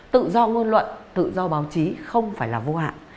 tự do ngôn luận tự do báo chí không phải là vô hạn